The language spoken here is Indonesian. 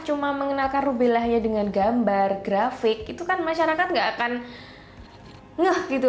cuma mengenalkan rubellanya dengan gambar grafik itu kan masyarakat nggak akan ngeh gitu